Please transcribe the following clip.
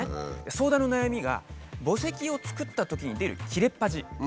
相談の悩みが墓石を作ったときに出る切れっ端。